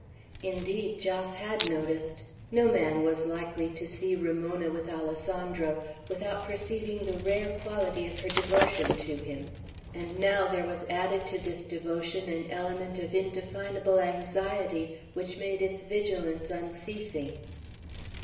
Indeed, Jos had noticed. No man was likely to see Ramona with Alessandro without perceiving the rare quality of her devotion to him. And now there was added to this devotion an element of indefinable anxiety which made its vigilance unceasing.